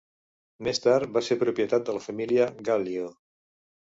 Més tard va ser propietat de la família Gallio.